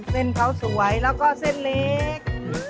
เส้นเขาสวยแล้วก็เส้นเล็ก